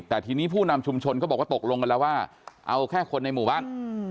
แต่ทีนี้ผู้นำชุมชนเขาบอกว่าตกลงกันแล้วว่าเอาแค่คนในหมู่บ้าน